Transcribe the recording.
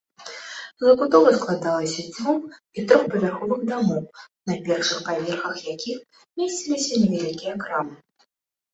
Забудова складалася з двух- і трохпавярховых дамоў, на першых паверхах якіх месціліся невялікія крамы.